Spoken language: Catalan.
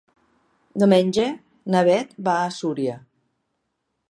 Diumenge na Beth va a Súria.